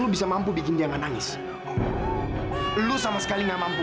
amilah sebelum dia benar benar benci sama kamu